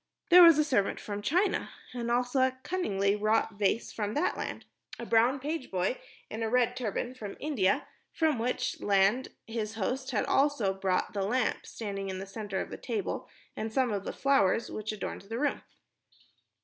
There was a servant from China and also a cunningly wrought vase from that land; a brown page boy in a red turban from India from which land his host had also brought the lamp standing in the center of the table and some of the flowers which adorned the room.